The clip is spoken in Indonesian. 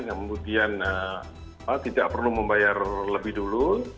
kemudian tidak perlu membayar lebih dulu